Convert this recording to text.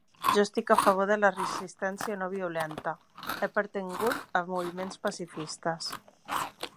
Jo estic a favor de la resistència no violenta, he pertangut a moviments pacifistes.